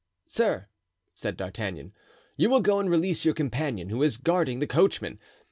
"Sir," said D'Artagnan, "you will go and release your companion, who is guarding the coachman.